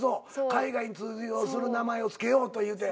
海外に通用する名前をつけようというて。